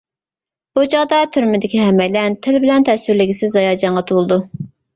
بۇ چاغدا تۈرمىدىكى ھەممەيلەن تىل بىلەن تەسۋىرلىگۈسىز ھاياجانغا تولىدۇ.